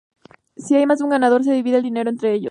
Si hay más de un ganador, se divide el dinero entre ellos.